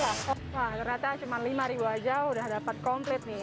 wah ternyata cuma lima ribu aja udah dapat komplit nih